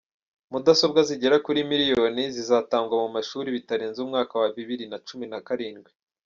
Mudasobwa zigera kuri miliyoni zizatangwa mumashuri bitarenze umwaka wa bibiri na cumi nakarindwi